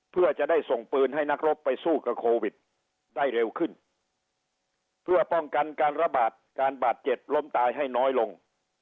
เพื่อจะได้ส่งปืนให้นักรบไปสู้กับโควิดได้เร็วขึ้นเพื่อป้องกันการระบาดการบาดเจ็บล้มตายให้น้อยลง